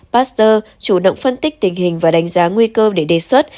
pasteur chủ động phân tích tình hình và đánh giá nguy cơ để đề xuất